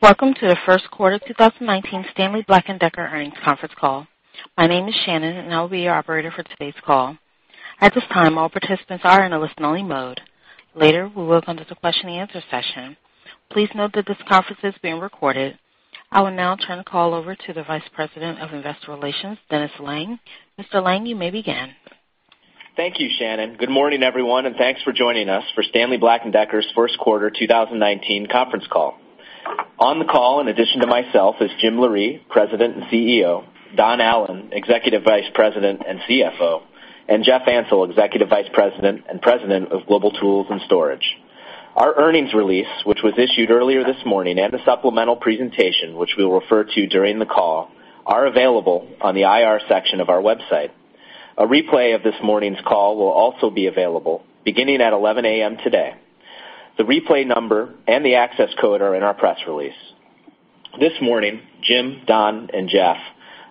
Welcome to the first quarter 2019 Stanley Black & Decker earnings conference call. My name is Shannon, and I will be your operator for today's call. At this time, all participants are in a listen-only mode. Later, we will open to the question and answer session. Please note that this conference is being recorded. I will now turn the call over to the Vice President of Investor Relations, Dennis Lange. Mr. Lange, you may begin. Thank you, Shannon. Good morning, everyone, and thanks for joining us for Stanley Black & Decker's first quarter 2019 conference call. On the call, in addition to myself, is Jim Loree, President and CEO, Don Allan, Executive Vice President and CFO, and Jeff Ansell, Executive Vice President and President of Global Tools and Storage. Our earnings release, which was issued earlier this morning, and a supplemental presentation, which we will refer to during the call, are available on the IR section of our website. A replay of this morning's call will also be available beginning at 11:00 A.M. today. The replay number and the access code are in our press release. This morning, Jim, Don, and Jeff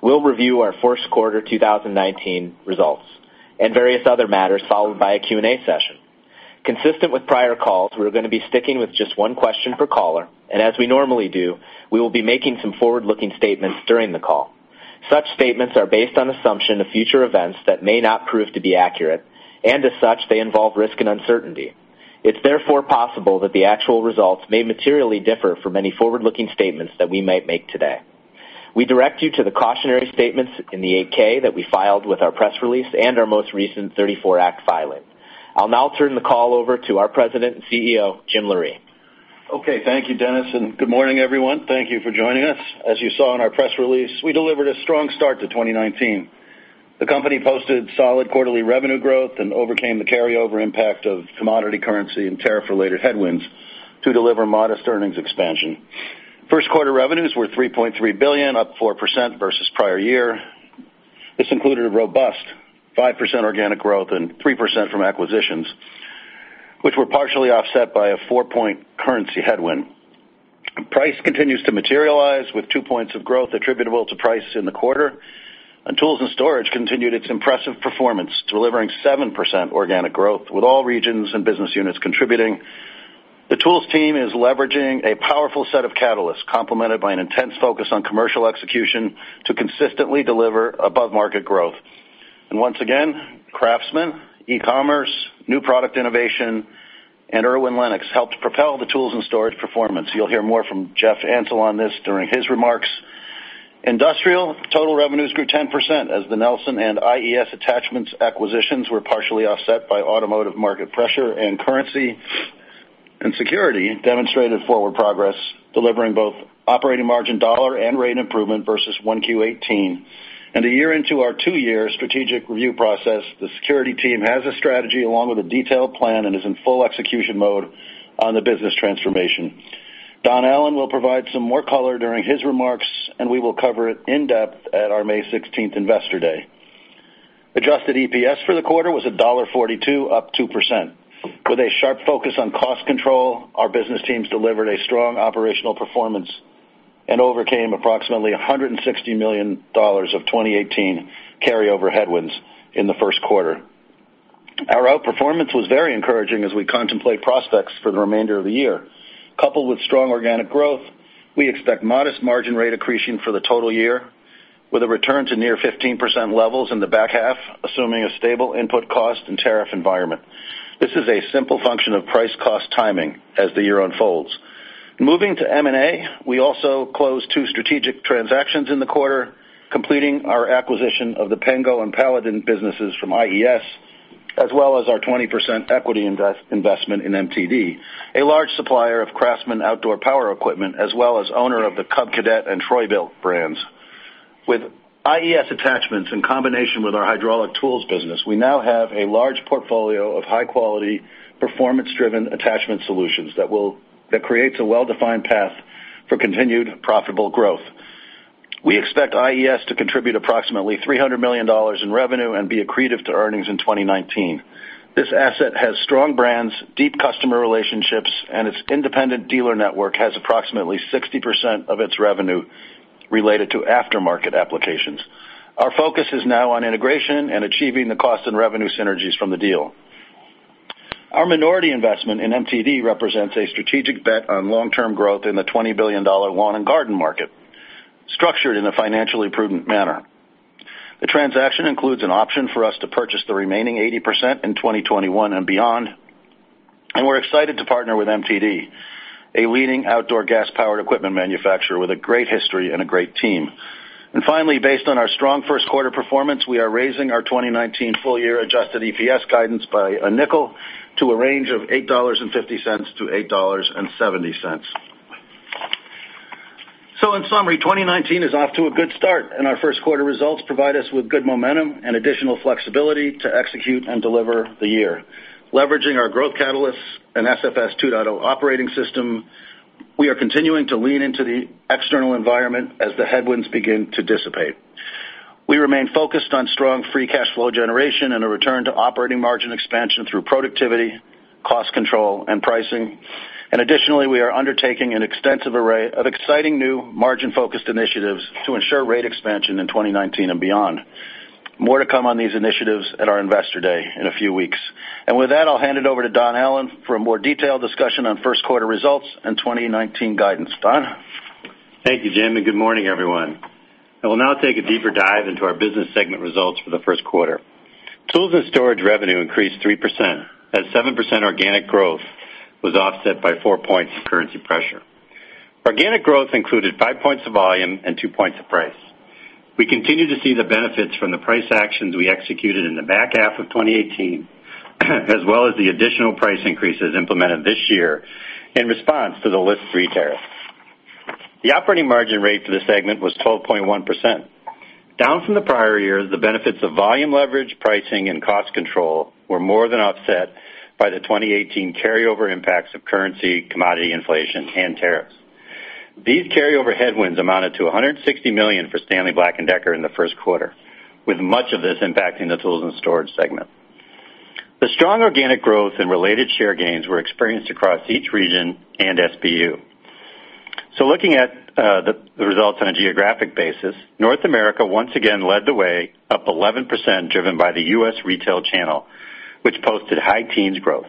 will review our first quarter 2019 results and various other matters, followed by a Q&A session. Consistent with prior calls, we're going to be sticking with just one question per caller. As we normally do, we will be making some forward-looking statements during the call. Such statements are based on assumption of future events that may not prove to be accurate, and as such, they involve risk and uncertainty. It's therefore possible that the actual results may materially differ from any forward-looking statements that we might make today. We direct you to the cautionary statements in the 8-K that we filed with our press release and our most recent 34 Act filing. I'll now turn the call over to our President and CEO, Jim Loree. Okay. Thank you, Dennis. Good morning, everyone. Thank you for joining us. As you saw in our press release, we delivered a strong start to 2019. The company posted solid quarterly revenue growth and overcame the carryover impact of commodity currency and tariff-related headwinds to deliver modest earnings expansion. First quarter revenues were $3.3 billion, up 4% versus prior year. This included robust 5% organic growth and 3% from acquisitions, which were partially offset by a four-point currency headwind. Price continues to materialize, with two points of growth attributable to price in the quarter. Tools and Storage continued its impressive performance, delivering 7% organic growth, with all regions and business units contributing. The Tools team is leveraging a powerful set of catalysts, complemented by an intense focus on commercial execution to consistently deliver above-market growth. Once again, CRAFTSMAN, e-commerce, new product innovation, and IRWIN and LENOX helped propel the Tools and Storage performance. You'll hear more from Jeff Ansell on this during his remarks. Industrial total revenues grew 10% as the Nelson and IES Attachments acquisitions were partially offset by automotive market pressure, currency and security demonstrated forward progress, delivering both operating margin dollar and rate improvement versus 1Q18. A year into our two-year strategic review process, the security team has a strategy along with a detailed plan and is in full execution mode on the business transformation. Don Allan will provide some more color during his remarks, and we will cover it in depth at our May 16th investor day. Adjusted EPS for the quarter was $1.42, up 2%. With a sharp focus on cost control, our business teams delivered a strong operational performance and overcame approximately $160 million of 2018 carryover headwinds in the first quarter. Our outperformance was very encouraging as we contemplate prospects for the remainder of the year. Coupled with strong organic growth, we expect modest margin rate accretion for the total year, with a return to near 15% levels in the back half, assuming a stable input cost and tariff environment. This is a simple function of price-cost timing as the year unfolds. Moving to M&A, we also closed two strategic transactions in the quarter, completing our acquisition of the Pengo and Paladin businesses from IES, as well as our 20% equity investment in MTD, a large supplier of CRAFTSMAN outdoor power equipment, as well as owner of the Cub Cadet and Troy-Bilt brands. With IES Attachments in combination with our hydraulic tools business, we now have a large portfolio of high-quality, performance-driven attachment solutions that creates a well-defined path for continued profitable growth. We expect IES to contribute approximately $300 million in revenue and be accretive to earnings in 2019. This asset has strong brands, deep customer relationships, and its independent dealer network has approximately 60% of its revenue related to aftermarket applications. Our focus is now on integration and achieving the cost and revenue synergies from the deal. Our minority investment in MTD represents a strategic bet on long-term growth in the $20 billion lawn and garden market, structured in a financially prudent manner. The transaction includes an option for us to purchase the remaining 80% in 2021 and beyond, we're excited to partner with MTD, a leading outdoor gas-powered equipment manufacturer with a great history and a great team. Finally, based on our strong first quarter performance, we are raising our 2019 full-year adjusted EPS guidance by a nickel to a range of $8.50-$8.70. In summary, 2019 is off to a good start, and our first quarter results provide us with good momentum and additional flexibility to execute and deliver the year. Leveraging our growth catalysts and SFS 2.0 operating system, we are continuing to lean into the external environment as the headwinds begin to dissipate. We remain focused on strong free cash flow generation and a return to operating margin expansion through productivity, cost control, and pricing. Additionally, we are undertaking an extensive array of exciting new margin-focused initiatives to ensure rate expansion in 2019 and beyond. More to come on these initiatives at our investor day in a few weeks. With that, I'll hand it over to Don Allan for a more detailed discussion on first quarter results and 2019 guidance. Don? Thank you, Jim, good morning, everyone. I will now take a deeper dive into our business segment results for the first quarter. Tools and storage revenue increased 3%, as 7% organic growth was offset by 4 points of currency pressure. Organic growth included 5 points of volume and 2 points of price. We continue to see the benefits from the price actions we executed in the back half of 2018, as well as the additional price increases implemented this year in response to the List 3 tariff. The operating margin rate for the segment was 12.1%. Down from the prior year, the benefits of volume leverage, pricing, and cost control were more than offset by the 2018 carryover impacts of currency, commodity inflation, and tariffs. These carryover headwinds amounted to $160 million for Stanley Black & Decker in the first quarter, with much of this impacting the tools and storage segment. The strong organic growth and related share gains were experienced across each region and SBU. Looking at the results on a geographic basis, North America once again led the way up 11%, driven by the U.S. retail channel, which posted high teens growth.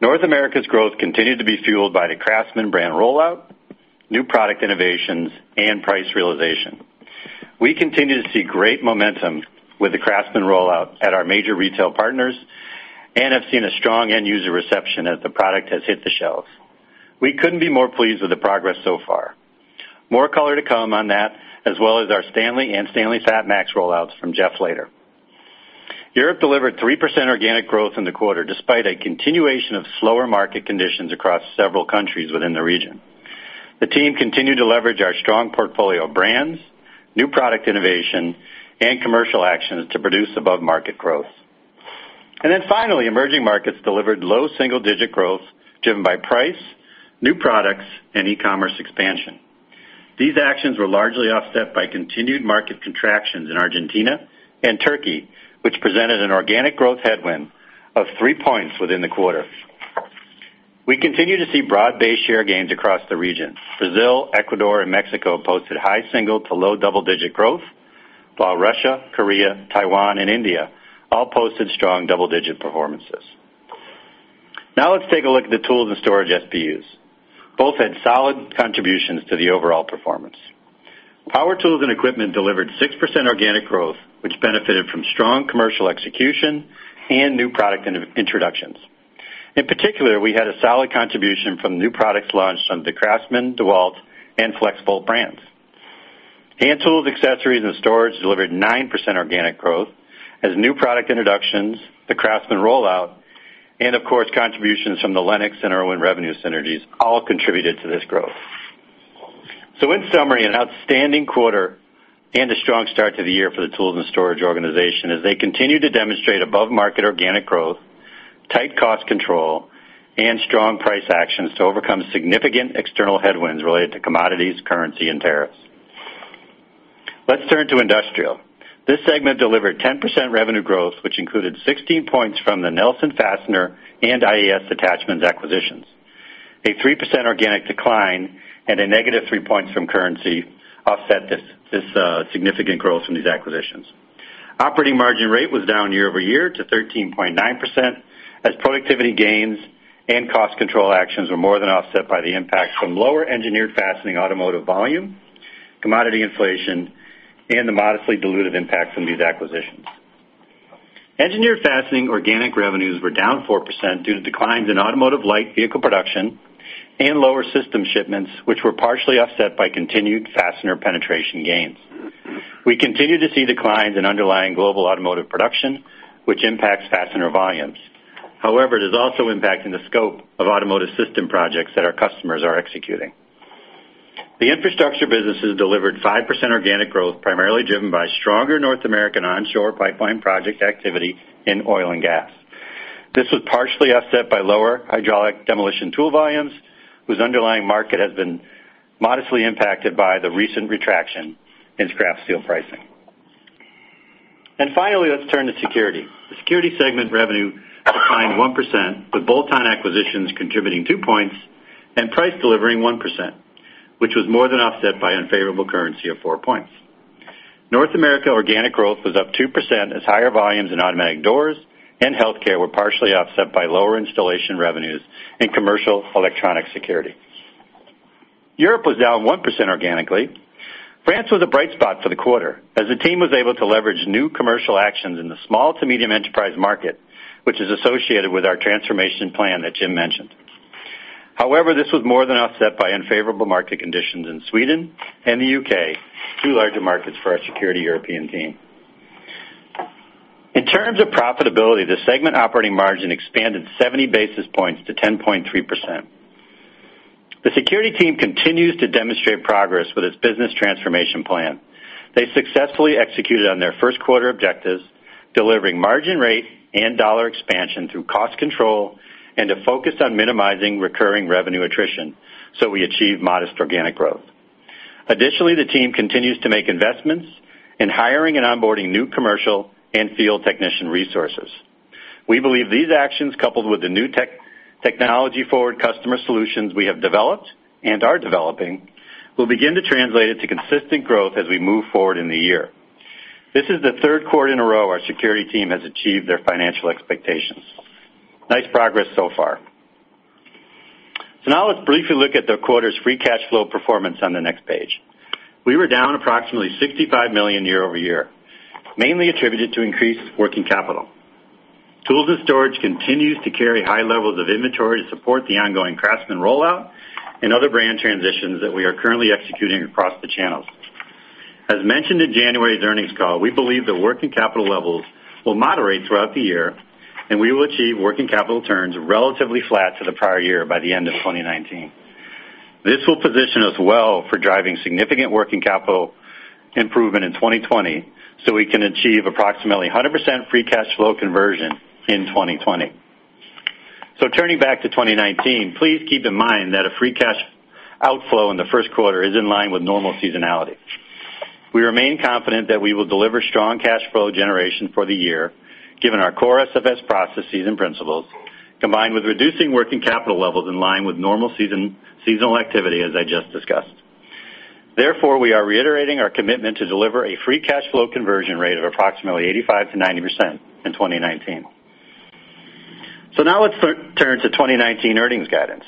North America's growth continued to be fueled by the CRAFTSMAN brand rollout, new product innovations, and price realization. We continue to see great momentum with the CRAFTSMAN rollout at our major retail partners and have seen a strong end user reception as the product has hit the shelves. We couldn't be more pleased with the progress so far. More color to come on that, as well as our STANLEY and STANLEY FATMAX rollouts from Jeff later. Europe delivered 3% organic growth in the quarter, despite a continuation of slower market conditions across several countries within the region. The team continued to leverage our strong portfolio of brands, new product innovation, and commercial actions to produce above-market growth. Finally, emerging markets delivered low single-digit growth, driven by price, new products, and e-commerce expansion. These actions were largely offset by continued market contractions in Argentina and Turkey, which presented an organic growth headwind of 3 points within the quarter. We continue to see broad-based share gains across the region. Brazil, Ecuador, and Mexico posted high single to low double-digit growth, while Russia, Korea, Taiwan, and India all posted strong double-digit performances. Now let's take a look at the tools and storage SBUs. Both had solid contributions to the overall performance. Power tools and equipment delivered 6% organic growth, which benefited from strong commercial execution and new product introductions. In particular, we had a solid contribution from new products launched from the CRAFTSMAN, DEWALT, and FLEXVOLT brands. Hand tools, accessories, and storage delivered 9% organic growth as new product introductions, the CRAFTSMAN rollout, and of course, contributions from the LENOX and IRWIN revenue synergies all contributed to this growth. In summary, an outstanding quarter and a strong start to the year for the Tools and Storage organization as they continue to demonstrate above-market organic growth, tight cost control, and strong price actions to overcome significant external headwinds related to commodities, currency, and tariffs. Let's turn to Industrial. This segment delivered 10% revenue growth, which included 16 points from the Nelson Fastener and IES Attachments acquisitions. A 3% organic decline and a negative three points from currency offset this significant growth from these acquisitions. Operating margin rate was down year-over-year to 13.9%, as productivity gains and cost control actions were more than offset by the impact from lower engineered fastening automotive volume, commodity inflation, and the modestly dilutive impact from these acquisitions. Engineered fastening organic revenues were down 4% due to declines in automotive light vehicle production and lower system shipments, which were partially offset by continued fastener penetration gains. We continue to see declines in underlying global automotive production, which impacts fastener volumes. However, it is also impacting the scope of automotive system projects that our customers are executing. The Infrastructure businesses delivered 5% organic growth, primarily driven by stronger North American onshore pipeline project activity in oil and gas. This was partially offset by lower hydraulic demolition tool volumes, whose underlying market has been modestly impacted by the recent retraction in scrap steel pricing. Finally, let's turn to Security. The Security segment revenue declined 1%, with bolt-on acquisitions contributing two points and price delivering 1%, which was more than offset by unfavorable currency of four points. North America organic growth was up 2%, as higher volumes in automatic doors and healthcare were partially offset by lower installation revenues in commercial electronic security. Europe was down 1% organically. France was a bright spot for the quarter, as the team was able to leverage new commercial actions in the small to medium enterprise market, which is associated with our transformation plan that Jim mentioned. However, this was more than offset by unfavorable market conditions in Sweden and the U.K., two larger markets for our Security European team. In terms of profitability, the segment operating margin expanded 70 basis points to 10.3%. The Security team continues to demonstrate progress with its business transformation plan. They successfully executed on their first quarter objectives, delivering margin rate and dollar expansion through cost control and a focus on minimizing recurring revenue attrition, so we achieved modest organic growth. Additionally, the team continues to make investments in hiring and onboarding new commercial and field technician resources. We believe these actions, coupled with the new technology-forward customer solutions we have developed, and are developing, will begin to translate into consistent growth as we move forward in the year. This is the third quarter in a row our Security team has achieved their financial expectations. Nice progress so far. Now let's briefly look at the quarter's free cash flow performance on the next page. We were down approximately $65 million year-over-year, mainly attributed to increased working capital. Tools and Storage continues to carry high levels of inventory to support the ongoing CRAFTSMAN rollout and other brand transitions that we are currently executing across the channels. As mentioned in January's earnings call, we believe the working capital levels will moderate throughout the year, and we will achieve working capital turns relatively flat to the prior year by the end of 2019. This will position us well for driving significant working capital improvement in 2020, so we can achieve approximately 100% free cash flow conversion in 2020. Turning back to 2019, please keep in mind that a free cash outflow in the first quarter is in line with normal seasonality. We remain confident that we will deliver strong cash flow generation for the year, given our core SFS processes and principles, combined with reducing working capital levels in line with normal seasonal activity, as I just discussed. Therefore, we are reiterating our commitment to deliver a free cash flow conversion rate of approximately 85%-90% in 2019. Now let's turn to 2019 earnings guidance.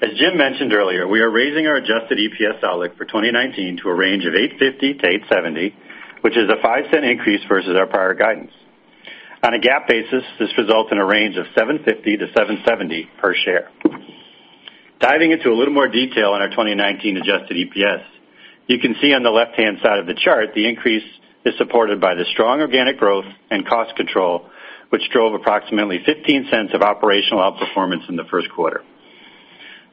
As Jim mentioned earlier, we are raising our adjusted EPS outlook for 2019 to a range of $8.50-$8.70, which is a $0.05 increase versus our prior guidance. On a GAAP basis, this results in a range of $7.50-$7.70 per share. Diving into a little more detail on our 2019 adjusted EPS, you can see on the left-hand side of the chart the increase is supported by the strong organic growth and cost control, which drove approximately $0.15 of operational outperformance in the first quarter.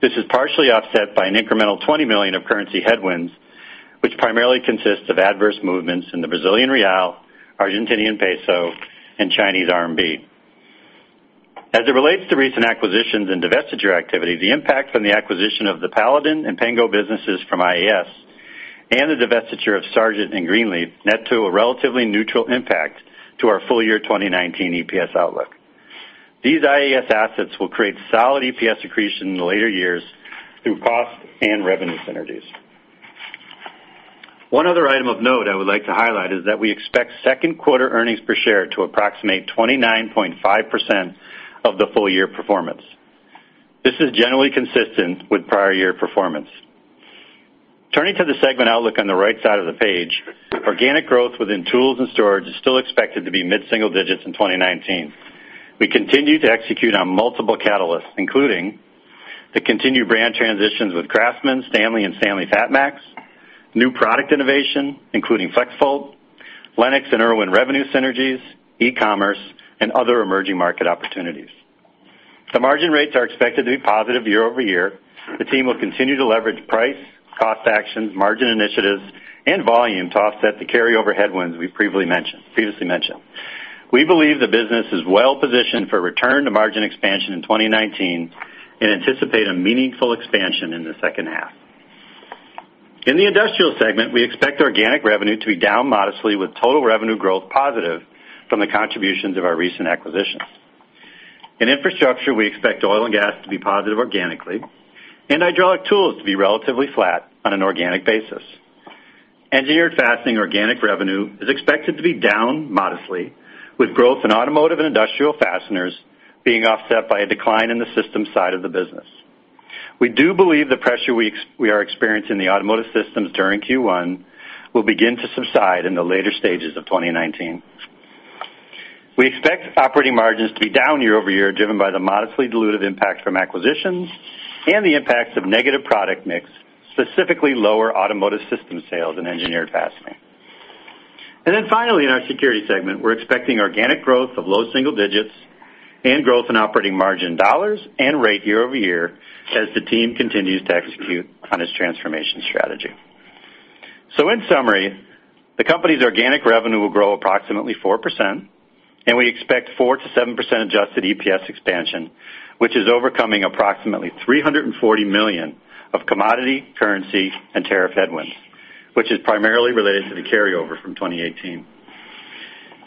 This is partially offset by an incremental $20 million of currency headwinds, which primarily consists of adverse movements in the Brazilian real, Argentinian peso, and Chinese RMB. As it relates to recent acquisitions and divestiture activity, the impact from the acquisition of the Paladin and Pengo businesses from IES and the divestiture of Sargent & Greenleaf net to a relatively neutral impact to our full-year 2019 EPS outlook. These IES assets will create solid EPS accretion in the later years through cost and revenue synergies. One other item of note I would like to highlight is that we expect second quarter earnings per share to approximate 29.5% of the full-year performance. This is generally consistent with prior-year performance. Turning to the segment outlook on the right side of the page, organic growth within Tools and Storage is still expected to be mid-single digits in 2019. We continue to execute on multiple catalysts, including the continued brand transitions with CRAFTSMAN, STANLEY and STANLEY FATMAX, new product innovation, including FLEXVOLT, LENOX and IRWIN revenue synergies, e-commerce, and other emerging market opportunities. The margin rates are expected to be positive year-over-year. The team will continue to leverage price, cost actions, margin initiatives, and volume to offset the carryover headwinds we previously mentioned. We believe the business is well positioned for return to margin expansion in 2019 and anticipate a meaningful expansion in the second half. In the Industrial segment, we expect organic revenue to be down modestly with total revenue growth positive from the contributions of our recent acquisitions. In Infrastructure, we expect oil and gas to be positive organically and hydraulic tools to be relatively flat on an organic basis. Engineered Fastening organic revenue is expected to be down modestly with growth in automotive and industrial fasteners being offset by a decline in the systems side of the business. We do believe the pressure we are experiencing in the automotive systems during Q1 will begin to subside in the later stages of 2019. We expect operating margins to be down year-over-year, driven by the modestly dilutive impact from acquisitions and the impacts of negative product mix, specifically lower automotive systems sales in Engineered Fastening. Finally, in our Security segment, we're expecting organic growth of low single digits and growth in operating margin dollars and rate year-over-year as the team continues to execute on its transformation strategy. In summary, the company's organic revenue will grow approximately 4%, and we expect 4%-7% adjusted EPS expansion, which is overcoming approximately $340 million of commodity, currency, and tariff headwinds, which is primarily related to the carryover from 2018.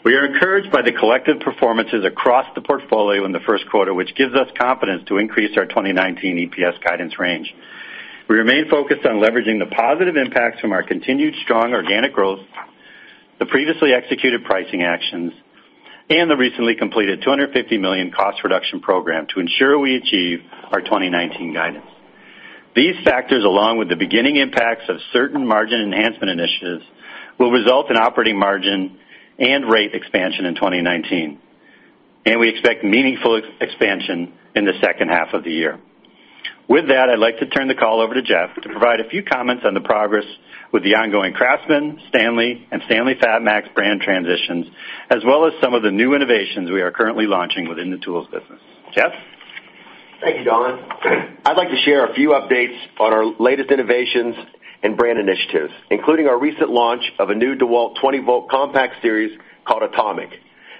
We are encouraged by the collective performances across the portfolio in the first quarter, which gives us confidence to increase our 2019 EPS guidance range. We remain focused on leveraging the positive impacts from our continued strong organic growth, the previously executed pricing actions, and the recently completed $250 million cost reduction program to ensure we achieve our 2019 guidance. These factors, along with the beginning impacts of certain margin enhancement initiatives, will result in operating margin and rate expansion in 2019. We expect meaningful expansion in the second half of the year. With that, I'd like to turn the call over to Jeff to provide a few comments on the progress with the ongoing CRAFTSMAN, STANLEY, and STANLEY FATMAX brand transitions, as well as some of the new innovations we are currently launching within the tools business. Jeff? Thank you, Don. I'd like to share a few updates on our latest innovations and brand initiatives, including our recent launch of a new DEWALT 20-volt compact series called ATOMIC,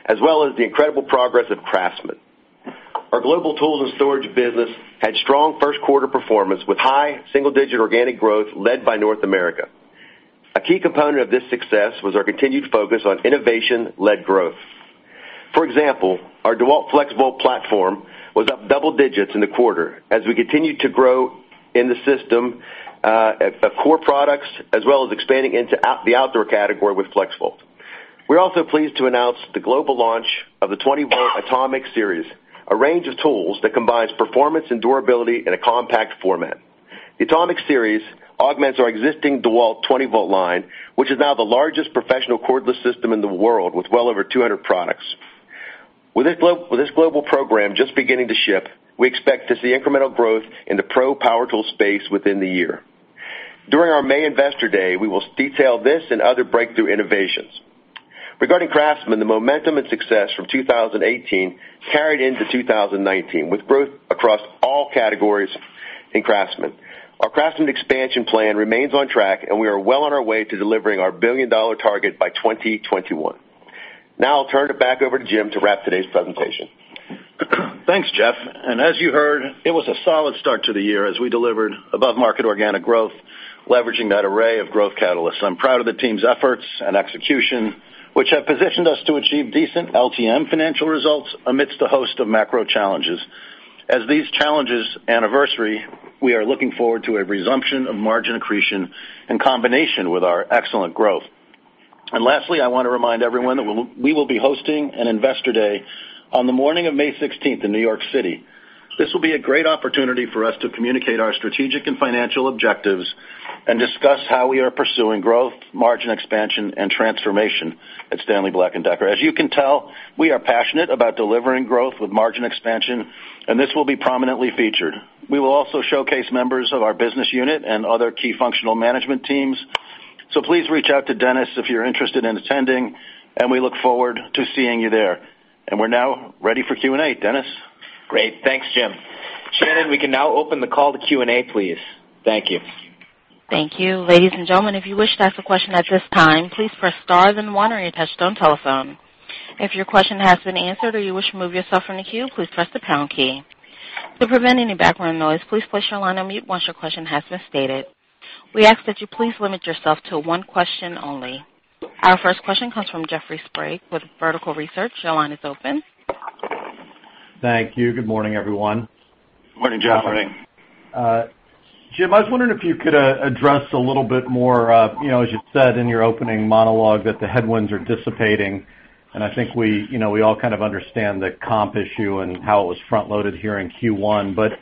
as well as the incredible progress of CRAFTSMAN Our global Tools and Storage business had strong first quarter performance with high single-digit organic growth led by North America. A key component of this success was our continued focus on innovation-led growth. For example, our DEWALT FLEXVOLT platform was up double digits in the quarter as we continued to grow in the system of core products, as well as expanding into the outdoor category with FLEXVOLT. We're also pleased to announce the global launch of the 20V ATOMIC series, a range of tools that combines performance and durability in a compact format. The ATOMIC series augments our existing DEWALT 20V line, which is now the largest professional cordless system in the world, with well over 200 products. With this global program just beginning to ship, we expect to see incremental growth in the pro power tool space within the year. During our May investor day, we will detail this and other breakthrough innovations. Regarding CRAFTSMAN, the momentum and success from 2018 carried into 2019, with growth across all categories in CRAFTSMAN. Our CRAFTSMAN expansion plan remains on track, and we are well on our way to delivering our $1 billion target by 2021. I'll turn it back over to Jim to wrap today's presentation. Thanks, Jeff. As you heard, it was a solid start to the year as we delivered above-market organic growth, leveraging that array of growth catalysts. I'm proud of the team's efforts and execution, which have positioned us to achieve decent LTM financial results amidst a host of macro challenges. As these challenges anniversary, we are looking forward to a resumption of margin accretion in combination with our excellent growth. Lastly, I want to remind everyone that we will be hosting an investor day on the morning of May 16th in New York City. This will be a great opportunity for us to communicate our strategic and financial objectives and discuss how we are pursuing growth, margin expansion, and transformation at Stanley Black & Decker. As you can tell, we are passionate about delivering growth with margin expansion, and this will be prominently featured. We will also showcase members of our business unit and other key functional management teams. Please reach out to Dennis if you're interested in attending, and we look forward to seeing you there. We're now ready for Q&A. Dennis? Great. Thanks, Jim. Shannon, we can now open the call to Q&A, please. Thank you. Thank you. Ladies and gentlemen, if you wish to ask a question at this time, please press star then one on your touchtone telephone. If your question has been answered or you wish to remove yourself from the queue, please press the pound key. To prevent any background noise, please place your line on mute once your question has been stated. We ask that you please limit yourself to one question only. Our first question comes from Jeffrey Sprague with Vertical Research. Your line is open. Thank you. Good morning, everyone. Good morning, Jeff. Good morning. Jim, I was wondering if you could address a little bit more, as you said in your opening monologue, that the headwinds are dissipating, I think we all kind of understand the comp issue and how it was front-loaded here in Q1, but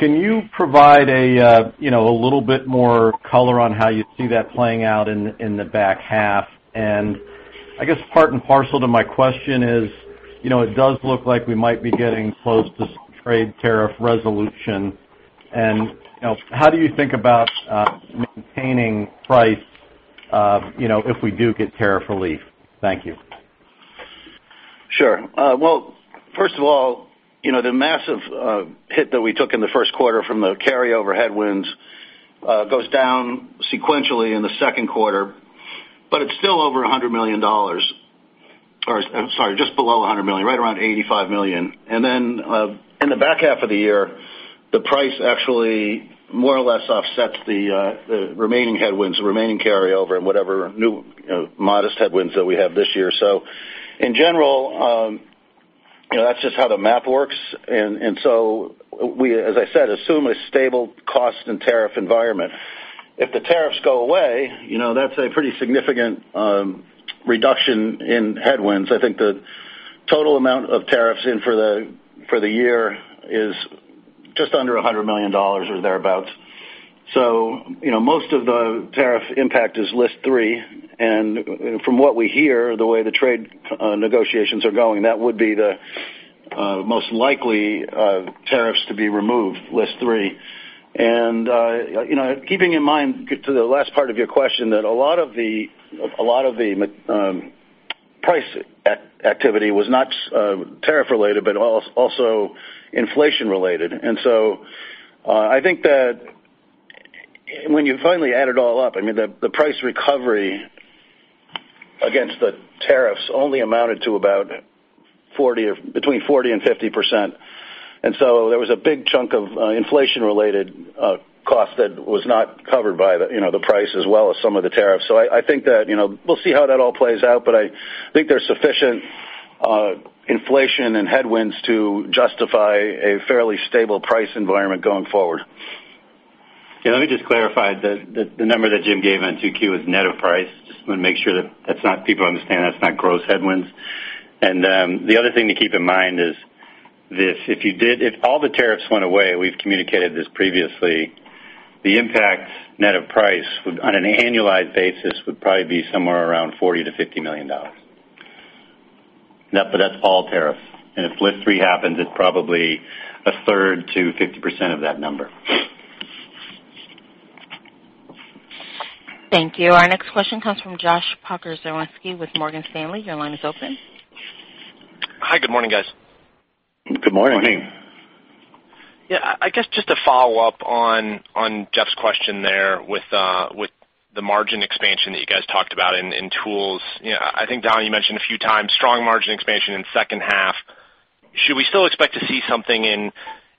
can you provide a little bit more color on how you see that playing out in the back half? I guess part and parcel to my question is, it does look like we might be getting close to trade tariff resolution. How do you think about maintaining price if we do get tariff relief? Thank you. Sure. Well, first of all, the massive hit that we took in the first quarter from the carryover headwinds goes down sequentially in the second quarter. It's still over $100 million. I'm sorry, just below $100 million, right around $85 million. Then in the back half of the year, the price actually more or less offsets the remaining headwinds, the remaining carryover, and whatever new modest headwinds that we have this year. In general, that's just how the math works, we, as I said, assume a stable cost and tariff environment. If the tariffs go away, that's a pretty significant reduction in headwinds. I think the total amount of tariffs in for the year is just under $100 million or thereabouts. Most of the tariff impact is List 3, from what we hear, the way the trade negotiations are going, that would be the most likely tariffs to be removed, List 3. Keeping in mind, to the last part of your question, that a lot of the price activity was not tariff related, but also inflation related. I think that when you finally add it all up, the price recovery against the tariffs only amounted to about between 40%-50%. There was a big chunk of inflation-related cost that was not covered by the price as well as some of the tariffs. I think that we'll see how that all plays out, but I think there's sufficient inflation and headwinds to justify a fairly stable price environment going forward. Yeah, let me just clarify. The number that Jim gave on 2Q was net of price. Just want to make sure that people understand that's not gross headwinds. The other thing to keep in mind is this: If all the tariffs went away, we've communicated this previously, the impact net of price on an annualized basis, would probably be somewhere around $40 million-$50 million. That's all tariffs. If List 3 happens, it's probably a third to 50% of that number. Thank you. Our next question comes from Josh Pokrzywinski with Morgan Stanley. Your line is open. Hi. Good morning, guys. Good morning. Yeah. I guess just to follow up on Jeff's question there with the margin expansion that you guys talked about in tools. I think, Don, you mentioned a few times strong margin expansion in second half. Should we still expect to see something in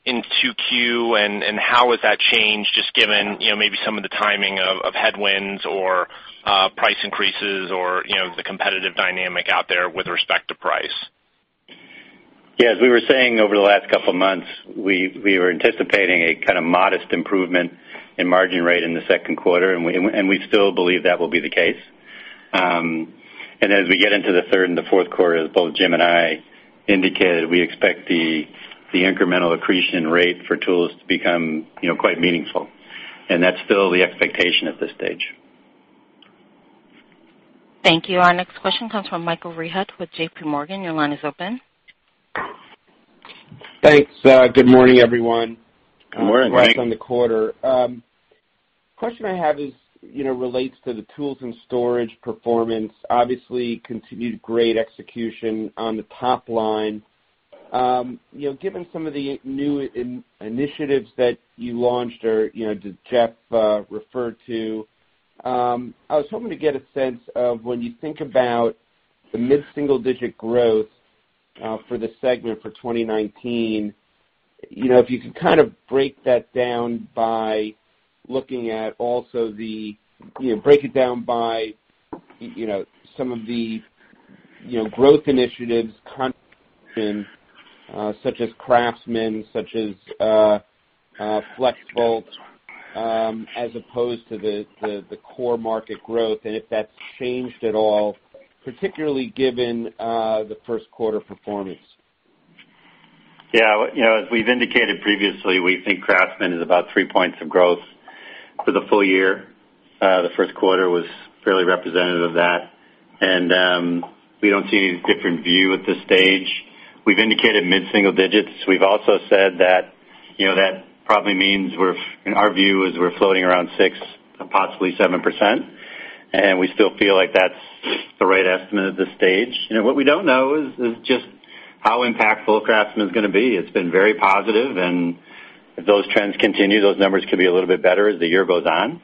2Q, and how would that change just given maybe some of the timing of headwinds or price increases or the competitive dynamic out there with respect to price? Yeah. As we were saying over the last couple of months, we were anticipating a kind of modest improvement in margin rate in the second quarter, and we still believe that will be the case. As we get into the third and the fourth quarter, as both Jim and I indicated, we expect the incremental accretion rate for tools to become quite meaningful. That's still the expectation at this stage. Thank you. Our next question comes from Michael Rehaut with JPMorgan. Your line is open. Thanks. Good morning, everyone. Good morning. Thanks on the quarter. Question I have relates to the Tools and Storage performance. Obviously continued great execution on the top line. Given some of the new initiatives that you launched, or that Jeff referred to, I was hoping to get a sense of when you think about the mid-single-digit growth for the segment for 2019, if you could kind of break that down by some of the growth initiatives, such as CRAFTSMAN, such as FLEXVOLT, as opposed to the core market growth, and if that's changed at all, particularly given the first quarter performance. Yeah. As we've indicated previously, we think CRAFTSMAN is about three points of growth for the full year. The first quarter was fairly representative of that, and we don't see any different view at this stage. We've indicated mid-single digits. We've also said that probably means our view is we're floating around 6%, possibly 7%, and we still feel like that's the right estimate at this stage. What we don't know is just how impactful CRAFTSMAN's going to be. It's been very positive, and if those trends continue, those numbers could be a little bit better as the year goes on.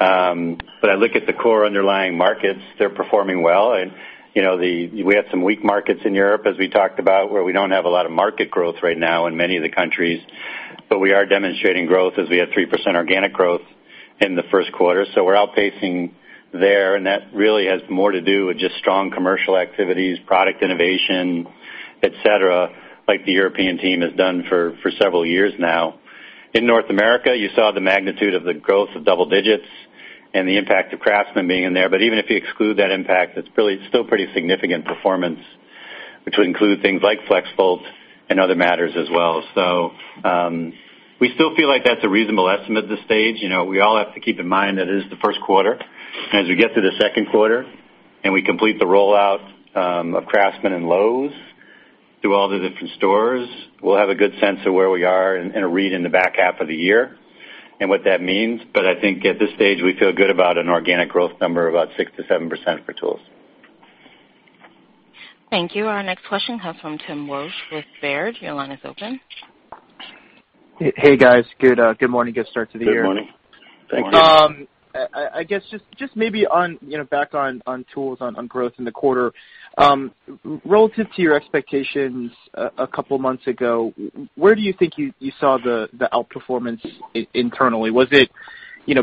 I look at the core underlying markets, they're performing well. We have some weak markets in Europe, as we talked about, where we don't have a lot of market growth right now in many of the countries. We are demonstrating growth as we had 3% organic growth in the first quarter. We're outpacing there, and that really has more to do with just strong commercial activities, product innovation, et cetera, like the European team has done for several years now. In North America, you saw the magnitude of the growth of double digits and the impact of CRAFTSMAN being in there. Even if you exclude that impact, it's still pretty significant performance, which would include things like FLEXVOLT and other matters as well. We still feel like that's a reasonable estimate at this stage. We all have to keep in mind that it is the first quarter. As we get to the second quarter and we complete the rollout of CRAFTSMAN and Lowe's through all the different stores, we'll have a good sense of where we are and a read in the back half of the year and what that means. I think at this stage, we feel good about an organic growth number of about 6%-7% for tools. Thank you. Our next question comes from Timothy Wojs with Baird. Your line is open. Hey, guys. Good morning. Good start to the year. Good morning. Morning. I guess just maybe back on tools, on growth in the quarter. Relative to your expectations a couple of months ago, where do you think you saw the outperformance internally? Was it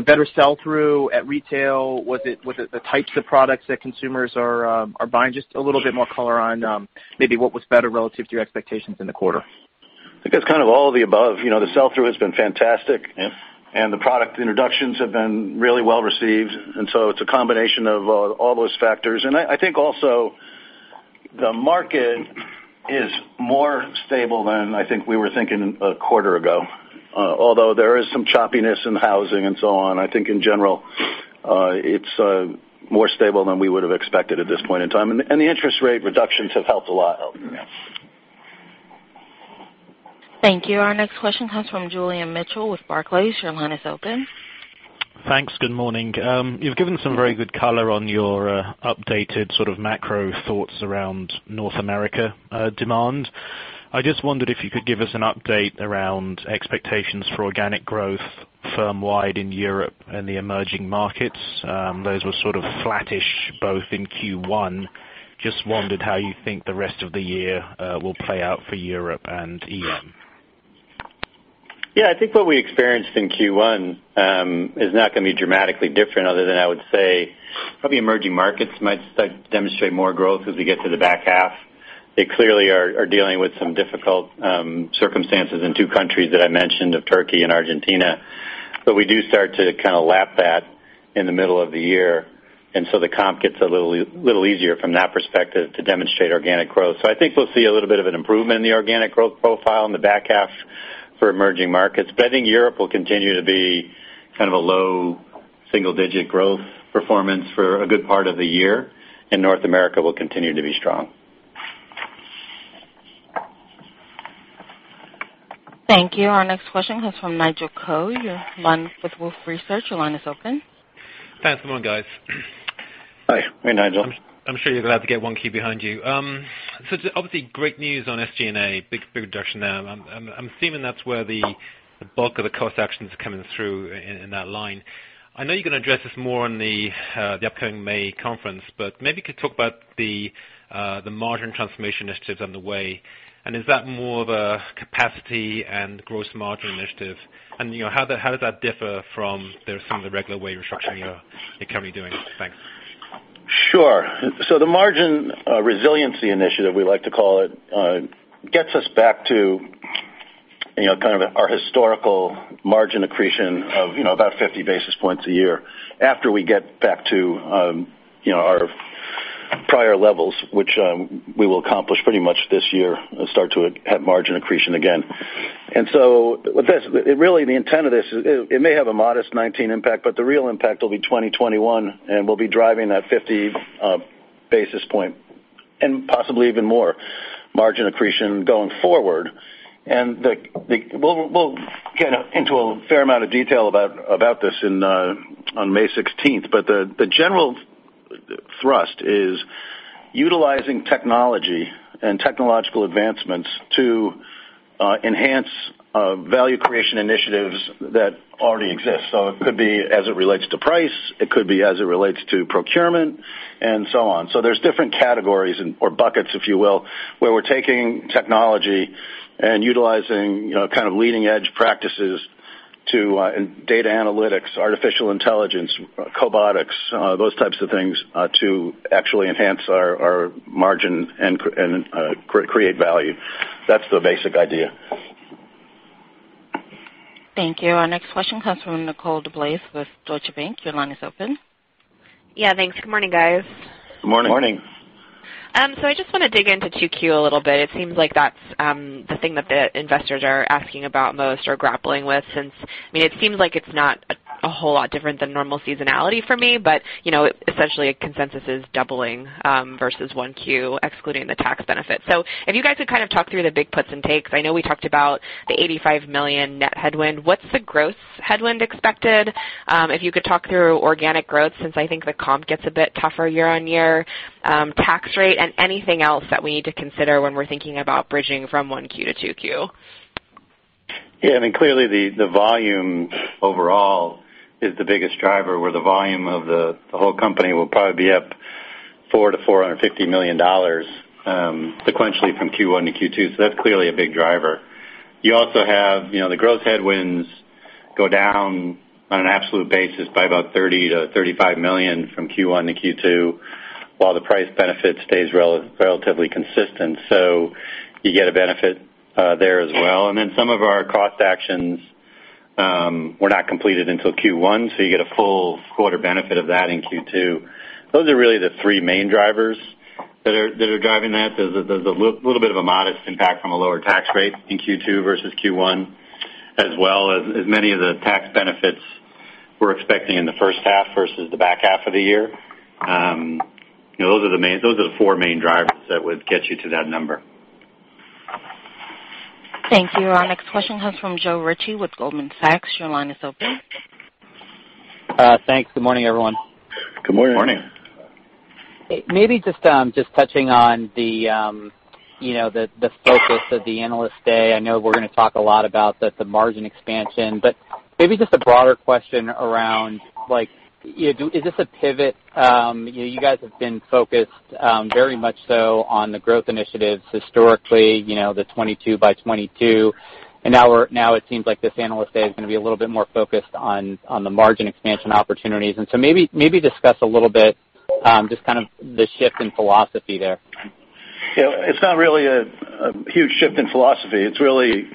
better sell-through at retail? Was it the types of products that consumers are buying? Just a little bit more color on maybe what was better relative to your expectations in the quarter. I think it's kind of all of the above. The sell-through has been fantastic. Yeah. The product introductions have been really well received, so it's a combination of all those factors. I think also the market is more stable than I think we were thinking a quarter ago. Although there is some choppiness in housing and so on, I think in general, it's more stable than we would have expected at this point in time. The interest rate reductions have helped a lot. Yes. Thank you. Our next question comes from Julian Mitchell with Barclays. Your line is open. Thanks. Good morning. You've given some very good color on your updated sort of macro thoughts around North America demand. I just wondered if you could give us an update around expectations for organic growth firm wide in Europe and the emerging markets. Those were sort of flattish, both in Q1. Just wondered how you think the rest of the year will play out for Europe and EM. Yeah, I think what we experienced in Q1 is not going to be dramatically different other than I would say probably emerging markets might demonstrate more growth as we get to the back half. They clearly are dealing with some difficult circumstances in two countries that I mentioned of Turkey and Argentina. We do start to kind of lap that in the middle of the year, the comp gets a little easier from that perspective to demonstrate organic growth. I think we'll see a little bit of an improvement in the organic growth profile in the back half for emerging markets. I think Europe will continue to be kind of a low single-digit growth performance for a good part of the year, North America will continue to be strong. Thank you. Our next question comes from Nigel Coe with Wolfe Research. Your line is open. Thanks. Good morning, guys. Hi. Hey, Nigel. I'm sure you're glad to get 1Q behind you. Obviously great news on SG&A. Big reduction there. I'm assuming that's where the bulk of the cost action's coming through in that line. I know you're going to address this more in the upcoming May conference, but maybe you could talk about the margin transformation initiatives underway. Is that more of a capacity and gross margin initiative? How does that differ from some of the regular way restructuring you're currently doing? Thanks. Sure. The margin resiliency initiative, we like to call it, gets us back to kind of our historical margin accretion of about 50 basis points a year after we get back to our prior levels, which we will accomplish pretty much this year, start to hit margin accretion again. Really the intent of this, it may have a modest 2019 impact, but the real impact will be 2020, 2021, and we'll be driving that 50 basis point, and possibly even more margin accretion going forward. We'll get into a fair amount of detail about this on May 16th. The general thrust is utilizing technology and technological advancements to enhance value creation initiatives that already exist. It could be as it relates to price, it could be as it relates to procurement, and so on. There's different categories or buckets, if you will, where we're taking technology and utilizing kind of leading-edge practices to data analytics, artificial intelligence, cobotics, those types of things, to actually enhance our margin and create value. That's the basic idea. Thank you. Our next question comes from Nicole DeBlase with Deutsche Bank. Your line is open. Yeah, thanks. Good morning, guys. Good morning. Morning. I just want to dig into 2Q a little bit. It seems like that's the thing that the investors are asking about most or grappling with since, it seems like it's not a whole lot different than normal seasonality for me. Essentially consensus is doubling versus 1Q, excluding the tax benefit. If you guys could kind of talk through the big puts and takes. I know we talked about the $85 million net headwind. What's the gross headwind expected? If you could talk through organic growth, since I think the comp gets a bit tougher year-over-year, tax rate, and anything else that we need to consider when we're thinking about bridging from 1Q to 2Q. Clearly the volume overall is the biggest driver, where the volume of the whole company will probably be up $400 million-$450 million, sequentially from Q1 to Q2. That's clearly a big driver. You also have the growth headwinds go down on an absolute basis by about $30 million-$35 million from Q1 to Q2, while the price benefit stays relatively consistent. You get a benefit there as well. Some of our cost actions were not completed until Q1, you get a full quarter benefit of that in Q2. Those are really the three main drivers that are driving that. There's a little bit of a modest impact from a lower tax rate in Q2 versus Q1, as well as many of the tax benefits we're expecting in the first half versus the back half of the year. Those are the four main drivers that would get you to that number. Thank you. Our next question comes from Joe Ritchie with Goldman Sachs. Your line is open. Thanks. Good morning, everyone. Good morning. Morning. Maybe just touching on the focus of the Analyst Day. I know we're going to talk a lot about the margin expansion. Maybe just a broader question around like, is this a pivot? You guys have been focused very much so on the growth initiatives historically, the 22 by 22. Now it seems like this Analyst Day is going to be a little bit more focused on the margin expansion opportunities. Maybe discuss a little bit just kind of the shift in philosophy there. It's not really a huge shift in philosophy. It's really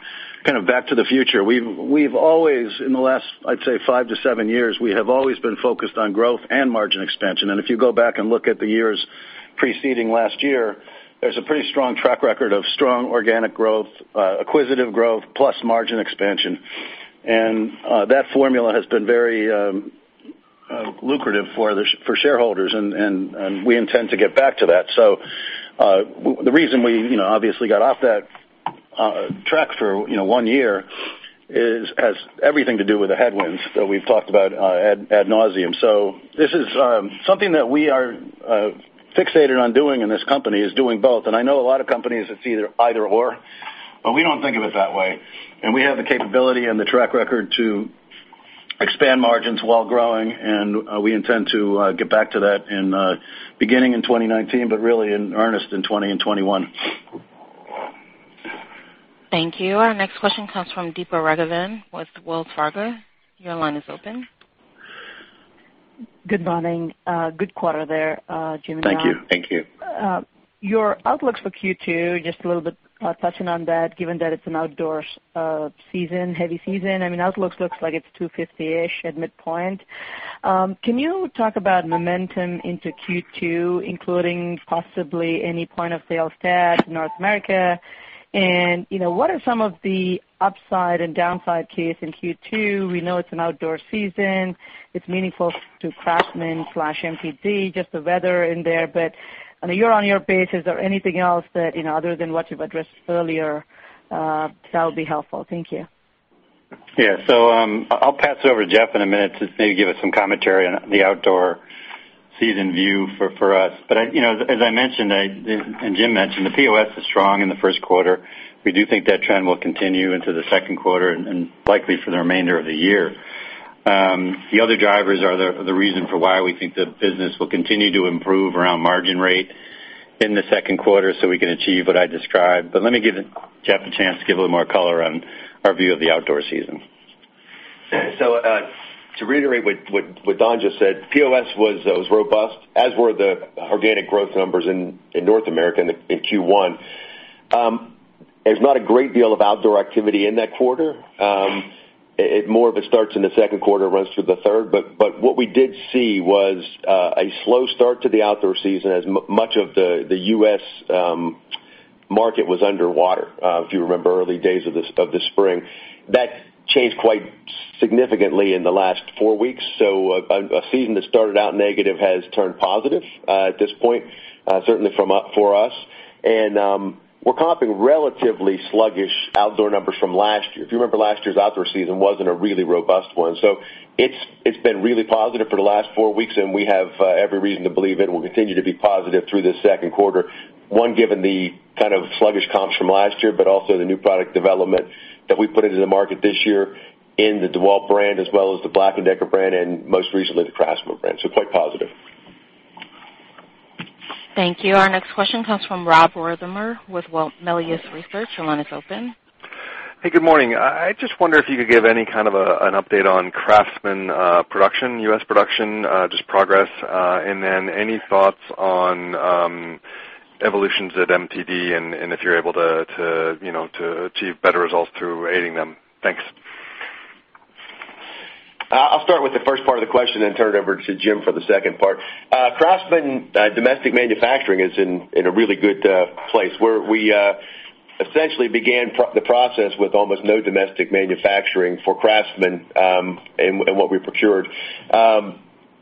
kind of back to the future. We've always, in the last, I'd say five to seven years, we have always been focused on growth and margin expansion. If you go back and look at the years preceding last year, there's a pretty strong track record of strong organic growth, acquisitive growth, plus margin expansion. That formula has been very lucrative for shareholders, and we intend to get back to that. The reason we obviously got off that track for one year has everything to do with the headwinds that we've talked about ad nauseam. This is something that we are fixated on doing in this company, is doing both. I know a lot of companies, it's either/or, but we don't think of it that way. We have the capability and the track record to expand margins while growing, and we intend to get back to that beginning in 2019, but really in earnest in 2020 and 2021. Thank you. Our next question comes from Deepa Raghavan with Wells Fargo. Your line is open. Good morning. Good quarter there, Jim and Don. Thank you. Thank you. Your outlooks for Q2, just a little bit touching on that, given that it's an outdoor season, heavy season. Outlooks looks like it's $250-ish at midpoint. Can you talk about momentum into Q2, including possibly any point of sale stat North America? What are some of the upside and downside case in Q2? We know it's an outdoor season. It's meaningful to CRAFTSMAN/MTD, just the weather in there. On a year-on-year basis, or anything else that, other than what you've addressed earlier, that would be helpful. Thank you. Yeah. I'll pass it over to Jeff in a minute to maybe give us some commentary on the outdoor season view for us. As I mentioned, and Jim mentioned, the POS is strong in the first quarter. We do think that trend will continue into the second quarter and likely for the remainder of the year. The other drivers are the reason for why we think the business will continue to improve around margin rate in the second quarter, so we can achieve what I described. Let me give Jeff a chance to give a little more color on our view of the outdoor season. To reiterate what Don just said, POS was robust, as were the organic growth numbers in North America in Q1. There's not a great deal of outdoor activity in that quarter. More of it starts in the second quarter, runs through the third. What we did see was a slow start to the outdoor season as much of the U.S. market was underwater, if you remember early days of the spring. That changed quite significantly in the last four weeks. A season that started out negative has turned positive at this point, certainly for us. We're comping relatively sluggish outdoor numbers from last year. If you remember, last year's outdoor season wasn't a really robust one. It's been really positive for the last four weeks, and we have every reason to believe it will continue to be positive through the second quarter. One, given the kind of sluggish comps from last year, but also the new product development that we put into the market this year in the DEWALT brand, as well as the BLACK+DECKER brand, and most recently, the CRAFTSMAN brand. Quite positive. Thank you. Our next question comes from Rob Wertheimer with Melius Research. Your line is open. Hey, good morning. I just wonder if you could give any kind of an update on CRAFTSMAN production, U.S. production, just progress, and any thoughts on evolutions at MTD and if you're able to achieve better results through aiding them. Thanks. I'll start with the first part of the question, then turn it over to Jim for the second part. CRAFTSMAN domestic manufacturing is in a really good place where we essentially began the process with almost no domestic manufacturing for CRAFTSMAN, and what we procured.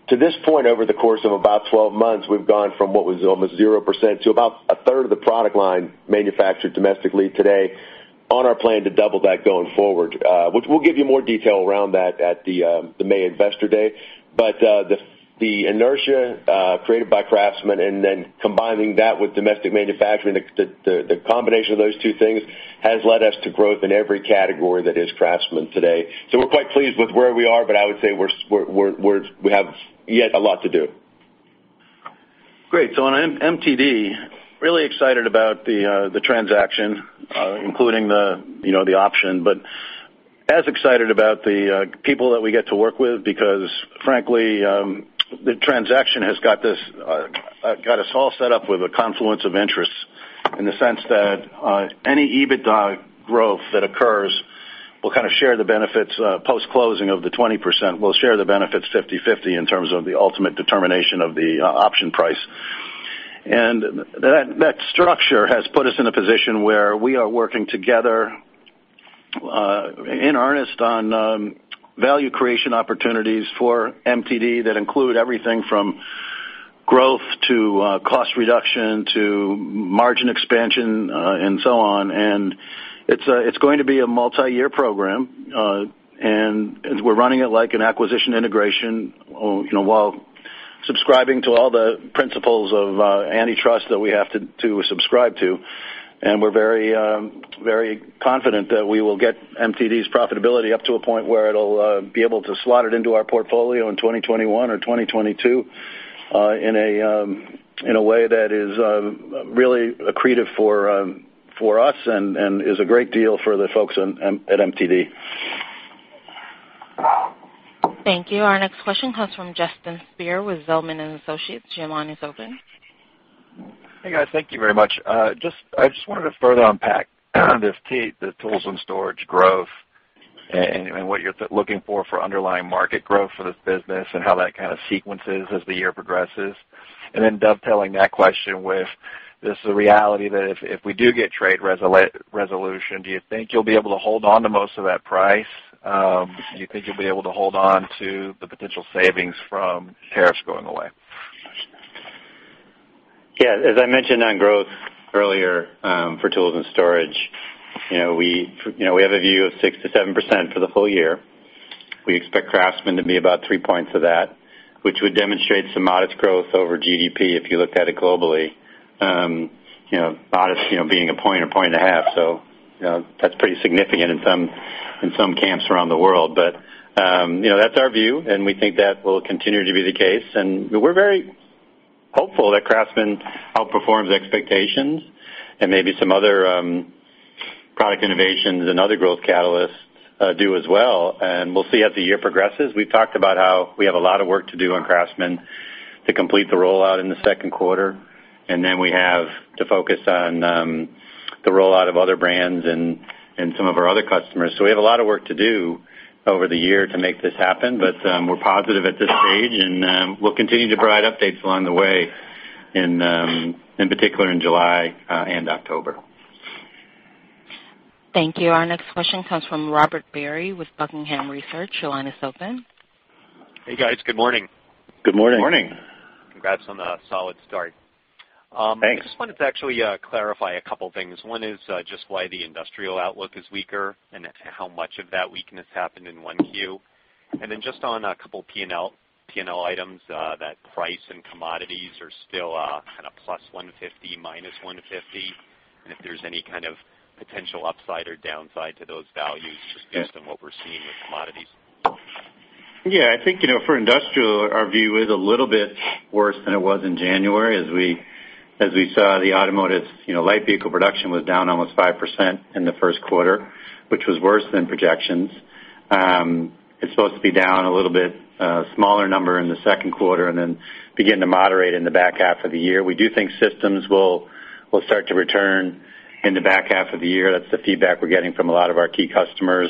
To this point, over the course of about 12 months, we've gone from what was almost 0% to about a third of the product line manufactured domestically today on our plan to double that going forward, which we'll give you more detail around that at the May investor day. The inertia created by CRAFTSMAN and then combining that with domestic manufacturing, the combination of those two things has led us to growth in every category that is CRAFTSMAN today. We're quite pleased with where we are, but I would say we have yet a lot to do. Great. On MTD, really excited about the transaction including the option, but as excited about the people that we get to work with, because frankly, the transaction has got us all set up with a confluence of interests in the sense that any EBITDA growth that occurs will kind of share the benefits post-closing of the 20%, we'll share the benefits 50/50 in terms of the ultimate determination of the option price. That structure has put us in a position where we are working together in earnest on value creation opportunities for MTD that include everything from growth to cost reduction to margin expansion and so on. It's going to be a multi-year program, and we're running it like an acquisition integration while subscribing to all the principles of antitrust that we have to subscribe to. We're very confident that we will get MTD's profitability up to a point where it'll be able to slot it into our portfolio in 2021 or 2022 in a way that is really accretive for us and is a great deal for the folks at MTD. Thank you. Our next question comes from Justin Speer with Zelman & Associates. Your line is open. Hey, guys. Thank you very much. I just wanted to further unpack the tools and storage growth and what you're looking for underlying market growth for this business and how that kind of sequences as the year progresses, and then dovetailing that question with, is the reality that if we do get trade resolution, do you think you'll be able to hold on to most of that price? Do you think you'll be able to hold on to the potential savings from tariffs going away? As I mentioned on growth earlier for tools and storage, we have a view of 6%-7% for the full year. We expect CRAFTSMAN to be about three points of that, which would demonstrate some modest growth over GDP if you looked at it globally. Modest being a point, a point and a half. That's pretty significant in some camps around the world. That's our view, and we think that will continue to be the case, and we're very hopeful that CRAFTSMAN outperforms expectations and maybe some other product innovations and other growth catalysts do as well. We'll see as the year progresses. We've talked about how we have a lot of work to do on CRAFTSMAN to complete the rollout in the second quarter, and then we have to focus on the rollout of other brands and some of our other customers. We have a lot of work to do over the year to make this happen, but we're positive at this stage, and we'll continue to provide updates along the way, in particular in July and October. Thank you. Our next question comes from Robert Barry with Buckingham Research. Your line is open. Hey guys. Good morning. Good morning. Good morning. Congrats on the solid start. Thanks. I just wanted to actually clarify a couple things. One is just why the industrial outlook is weaker, and how much of that weakness happened in 1Q. Then just on a couple P&L items, that price and commodities are still kind of +150, -150, and if there's any kind of potential upside or downside to those values just based on what we're seeing with commodities. I think, for industrial, our view is a little bit worse than it was in January as we saw the automotive light vehicle production was down almost 5% in the first quarter, which was worse than projections. It's supposed to be down a little bit smaller number in the second quarter, and then begin to moderate in the back half of the year. We do think systems will start to return in the back half of the year. That's the feedback we're getting from a lot of our key customers.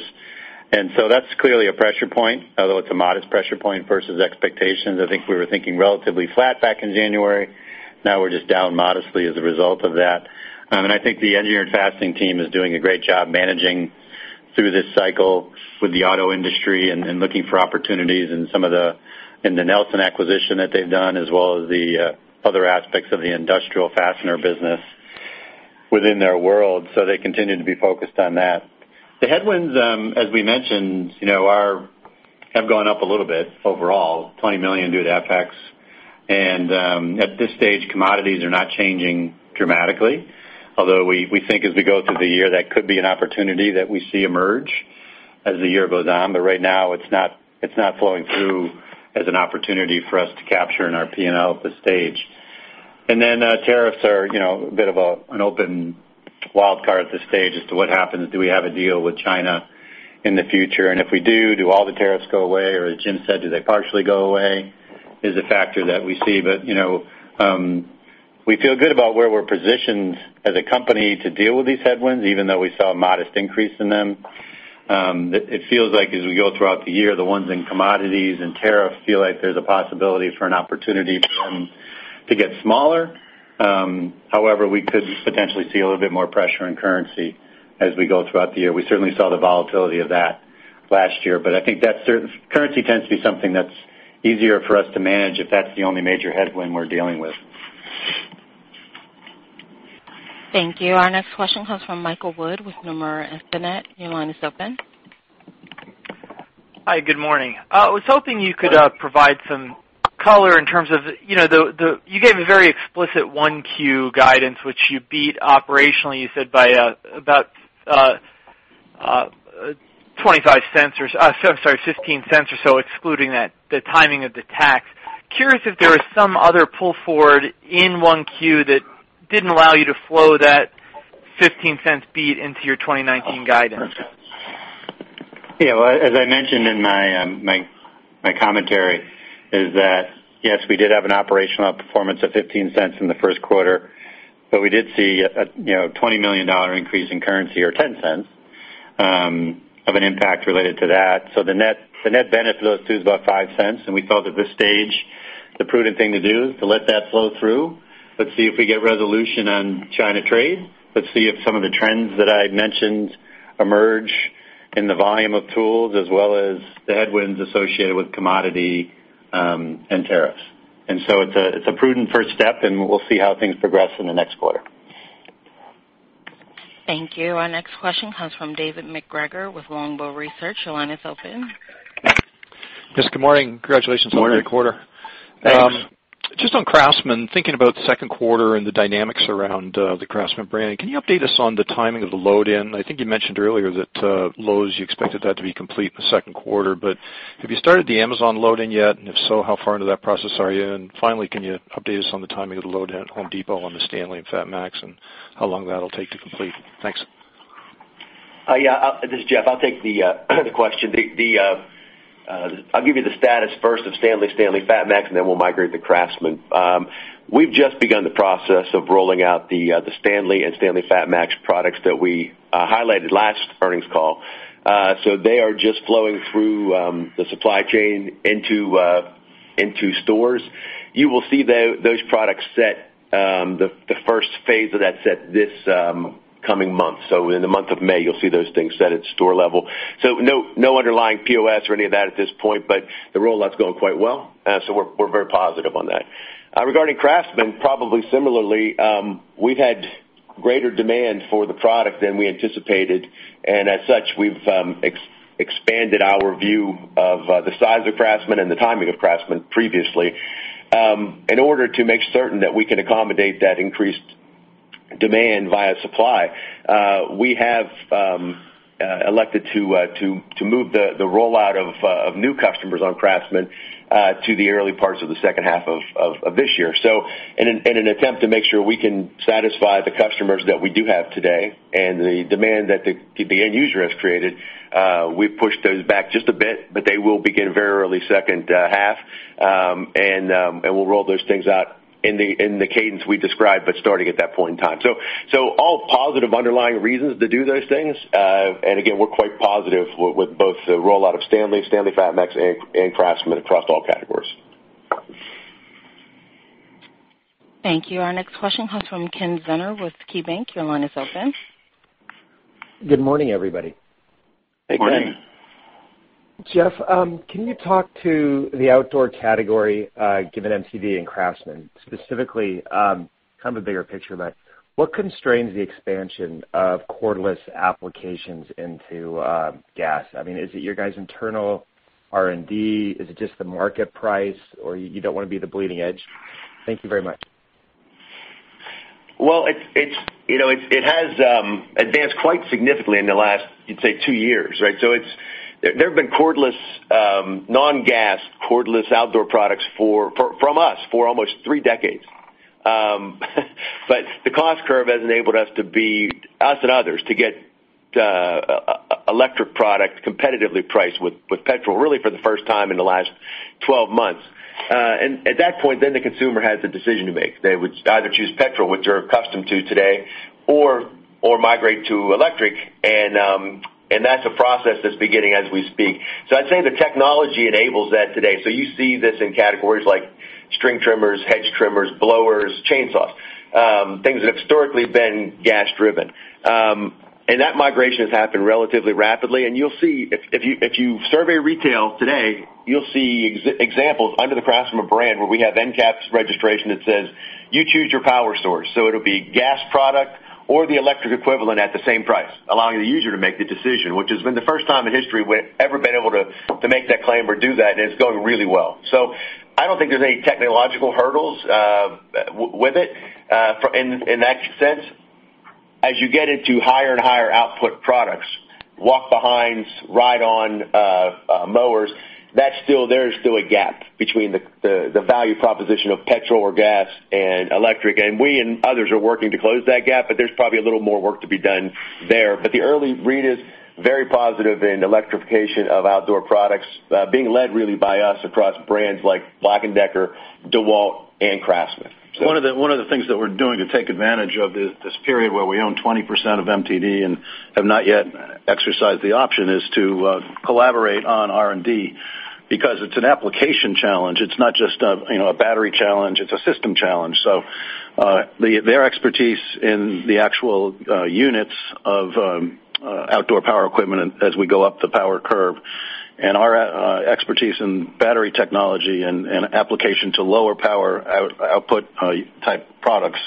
So that's clearly a pressure point, although it's a modest pressure point versus expectations. I think we were thinking relatively flat back in January. Now we're just down modestly as a result of that. I think the engineered fastening team is doing a great job managing through this cycle with the auto industry and looking for opportunities in the Nelson acquisition that they've done, as well as the other aspects of the industrial fastener business within their world. So they continue to be focused on that. The headwinds, as we mentioned, have gone up a little bit overall, $20 million due to FX. At this stage, commodities are not changing dramatically, although we think as we go through the year, that could be an opportunity that we see emerge as the year goes on. But right now, it's not flowing through as an opportunity for us to capture in our P&L at this stage. Tariffs are a bit of an open wild card at this stage as to what happens. Do we have a deal with China in the future? If we do all the tariffs go away, or as Jim said, do they partially go away, is a factor that we see. But we feel good about where we're positioned as a company to deal with these headwinds, even though we saw a modest increase in them. It feels like as we go throughout the year, the ones in commodities and tariffs feel like there's a possibility for an opportunity for them to get smaller. However, we could potentially see a little bit more pressure in currency as we go throughout the year. We certainly saw the volatility of that last year, but I think currency tends to be something that's easier for us to manage if that's the only major headwind we're dealing with. Thank you. Our next question comes from Michael Wood with Nomura Instinet. Your line is open. Hi, good morning. I was hoping you could provide some color in terms of the You gave a very explicit 1Q guidance, which you beat operationally, you said by about $0.25 or so, sorry, $0.15 or so, excluding the timing of the tax. Curious if there was some other pull forward in 1Q that didn't allow you to flow that $0.15 beat into your 2019 guidance. Yeah. Well, as I mentioned in my commentary is that, yes, we did have an operational outperformance of $0.15 in the first quarter, but we did see a $20 million increase in currency or $0.10 of an impact related to that. The net benefit of those two is about $0.005, and we felt at this stage the prudent thing to do is to let that flow through. Let's see if we get resolution on China trade. Let's see if some of the trends that I had mentioned emerge in the volume of tools as well as the headwinds associated with commodity and tariffs. It's a prudent first step, and we'll see how things progress in the next quarter. Thank you. Our next question comes from David MacGregor with Longbow Research. Your line is open. Yes, good morning. Congratulations on a great quarter. Thanks. Just on CRAFTSMAN, thinking about the second quarter and the dynamics around the CRAFTSMAN brand, can you update us on the timing of the load in? I think you mentioned earlier that Lowe's, you expected that to be complete in the second quarter, have you started the Amazon load in yet? If so, how far into that process are you? Finally, can you update us on the timing of the load in at The Home Depot on the STANLEY and FATMAX, and how long that'll take to complete? Thanks. This is Jeff. I'll take the question. I'll give you the status first of STANLEY FATMAX, and then we'll migrate to CRAFTSMAN. We've just begun the process of rolling out the STANLEY and STANLEY FATMAX products that we highlighted last earnings call. They are just flowing through the supply chain into stores. You will see those products set, the first phase of that set this coming month. Within the month of May, you'll see those things set at store level. No underlying POS or any of that at this point, but the rollout's going quite well, so we're very positive on that. Regarding CRAFTSMAN, probably similarly, we've had greater demand for the product than we anticipated, and as such, we've expanded our view of the size of CRAFTSMAN and the timing of CRAFTSMAN previously. In order to make certain that we can accommodate that increased demand via supply, we have elected to move the rollout of new customers on CRAFTSMAN, to the early parts of the second half of this year. In an attempt to make sure we can satisfy the customers that we do have today and the demand that the end user has created, we've pushed those back just a bit, but they will begin very early second half. We'll roll those things out in the cadence we described, but starting at that point in time. All positive underlying reasons to do those things. Again, we're quite positive with both the rollout of STANLEY FATMAX, and CRAFTSMAN across all channels. Thank you. Our next question comes from Ken Zener with KeyBanc. Your line is open. Good morning, everybody. Good morning. Jeff, can you talk to the outdoor category, given MTD and CRAFTSMAN, specifically, kind of a bigger picture. What constrains the expansion of cordless applications into gas? Is it your guys' internal R&D? Is it just the market price, or you don't want to be the bleeding edge? Thank you very much. It has advanced quite significantly in the last, you'd say, two years, right? There have been cordless, non-gas, cordless outdoor products from us for almost three decades. The cost curve has enabled us and others to get electric product competitively priced with petrol, really for the first time in the last 12 months. At that point, the consumer has a decision to make. They would either choose petrol, which they're accustomed to today, or migrate to electric, and that's a process that's beginning as we speak. I'd say the technology enables that today. You see this in categories like string trimmers, hedge trimmers, blowers, chainsaws, things that have historically been gas-driven. That migration has happened relatively rapidly, and if you survey retail today, you'll see examples under the CRAFTSMAN brand where we have end cap's registration that says, "You choose your power source." It'll be gas product or the electric equivalent at the same price, allowing the user to make the decision, which has been the first time in history we've ever been able to make that claim or do that. It's going really well. I don't think there's any technological hurdles with it in that sense. As you get into higher and higher output products, walk-behinds, ride-on mowers, there is still a gap between the value proposition of petrol or gas and electric. We and others are working to close that gap, but there's probably a little more work to be done there. The early read is very positive in electrification of outdoor products, being led really by us across brands like BLACK+DECKER, DEWALT, and CRAFTSMAN. One of the things that we're doing to take advantage of this period where we own 20% of MTD and have not yet exercised the option is to collaborate on R&D because it's an application challenge. It's not just a battery challenge, it's a system challenge. Their expertise in the actual units of outdoor power equipment as we go up the power curve, and our expertise in battery technology and application to lower power output type products,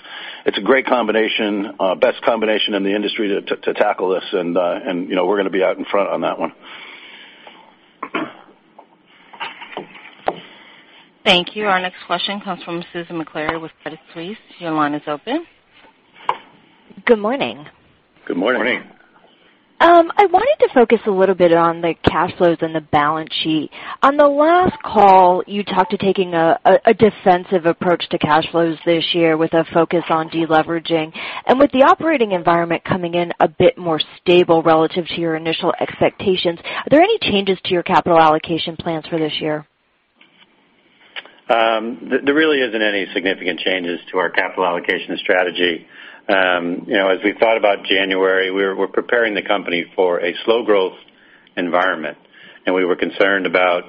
it's a great combination, best combination in the industry to tackle this, and we're going to be out in front on that one. Thank you. Our next question comes from Susan Maklari with Credit Suisse. Your line is open. Good morning. Good morning. Good morning. I wanted to focus a little bit on the cash flows and the balance sheet. On the last call, you talked to taking a defensive approach to cash flows this year with a focus on deleveraging. With the operating environment coming in a bit more stable relative to your initial expectations, are there any changes to your capital allocation plans for this year? There really isn't any significant changes to our capital allocation strategy. As we thought about January, we were preparing the company for a slow growth environment, and we were concerned about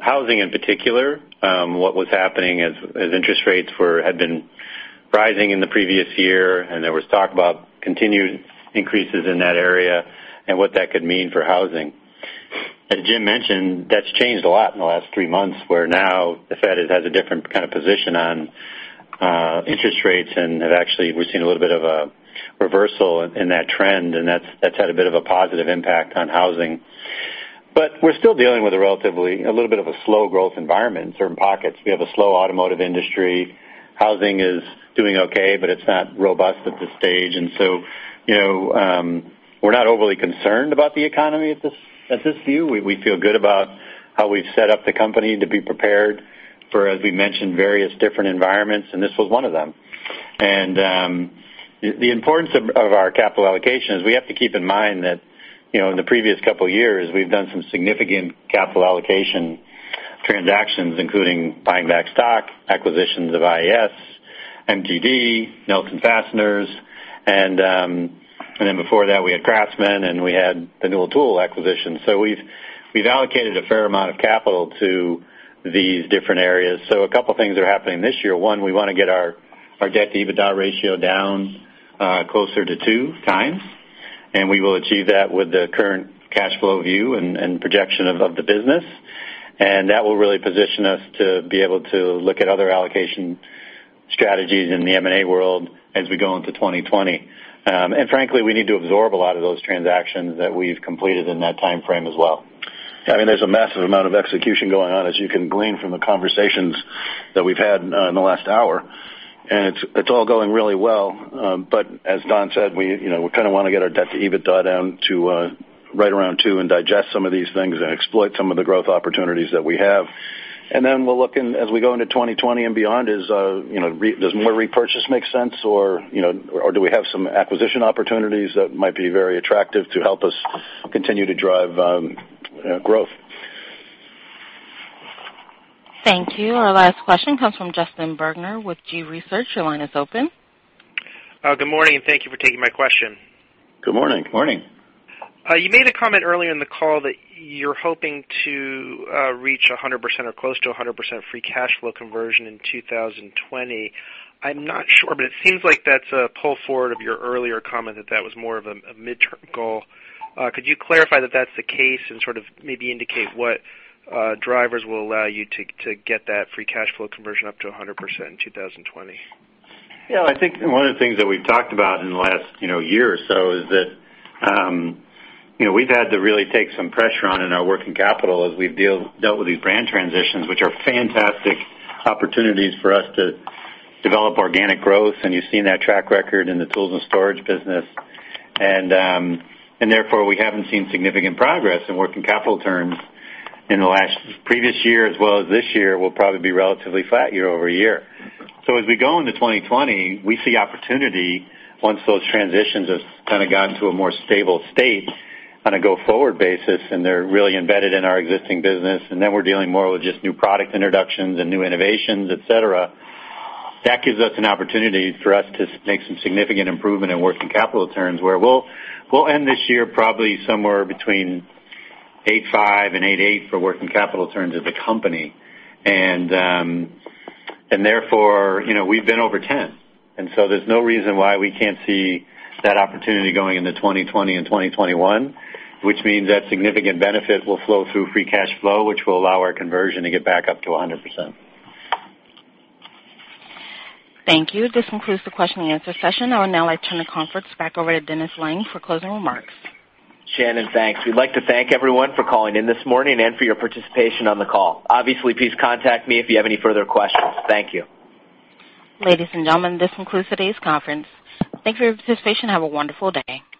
housing in particular, what was happening as interest rates had been rising in the previous year, and there was talk about continued increases in that area and what that could mean for housing. As Jim mentioned, that's changed a lot in the last three months, where now the Fed has a different kind of position on interest rates, and actually, we've seen a little bit of a reversal in that trend, and that's had a bit of a positive impact on housing. We're still dealing with a relatively, a little bit of a slow growth environment in certain pockets. We have a slow automotive industry. Housing is doing okay, but it's not robust at this stage. We're not overly concerned about the economy at this view. We feel good about how we've set up the company to be prepared for, as we mentioned, various different environments, and this was one of them. The importance of our capital allocation is we have to keep in mind that in the previous couple of years, we've done some significant capital allocation transactions, including buying back stock, acquisitions of IES, MTD, Nelson Fasteners, and then before that we had CRAFTSMAN, and we had the Newell Tool acquisition. We've allocated a fair amount of capital to these different areas. A couple of things are happening this year. We want to get our debt-to-EBITDA ratio down closer to 2 times, and we will achieve that with the current cash flow view and projection of the business. That will really position us to be able to look at other allocation strategies in the M&A world as we go into 2020. Frankly, we need to absorb a lot of those transactions that we've completed in that timeframe as well. There's a massive amount of execution going on, as you can glean from the conversations that we've had in the last hour, and it's all going really well. As Don said, we kind of want to get our debt to EBITDA down to right around 2 and digest some of these things and exploit some of the growth opportunities that we have. Then we'll look in as we go into 2020 and beyond is, does more repurchase make sense, or do we have some acquisition opportunities that might be very attractive to help us continue to drive growth? Thank you. Our last question comes from Justin Bergner with G.research. Your line is open. Good morning, thank you for taking my question. Good morning. Good morning. You made a comment earlier in the call that you're hoping to reach 100%, or close to 100%, free cash flow conversion in 2020. I'm not sure, it seems like that's a pull forward of your earlier comment that was more of a midterm goal. Could you clarify that that's the case and sort of maybe indicate what drivers will allow you to get that free cash flow conversion up to 100% in 2020? I think one of the things that we've talked about in the last year or so is that we've had to really take some pressure on in our working capital as we've dealt with these brand transitions, which are fantastic opportunities for us to develop organic growth. You've seen that track record in the tools and storage business. Therefore, we haven't seen significant progress in working capital terms in the last previous year, as well as this year will probably be relatively flat year-over-year. As we go into 2020, we see opportunity once those transitions have kind of gotten to a more stable state on a go-forward basis, and they're really embedded in our existing business, and then we're dealing more with just new product introductions and new innovations, et cetera. That gives us an opportunity for us to make some significant improvement in working capital terms, where we'll end this year probably somewhere between 8.5 and 8.8 for working capital terms as a company. Therefore, we've been over 10. There's no reason why we can't see that opportunity going into 2020 and 2021, which means that significant benefit will flow through free cash flow, which will allow our conversion to get back up to 100%. Thank you. This concludes the question and answer session. I would now like to turn the conference back over to Dennis Lange for closing remarks. Shannon, thanks. We'd like to thank everyone for calling in this morning and for your participation on the call. Obviously, please contact me if you have any further questions. Thank you. Ladies and gentlemen, this concludes today's conference. Thank you for your participation. Have a wonderful day.